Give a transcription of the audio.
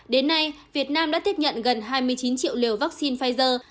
đến nay việt nam đã tiếp nhận gần hai mươi chín triệu liều vaccine pfizer